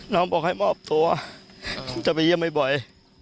น้องบอกให้มอบตัวจะไปเยี่ยมให้บ่อย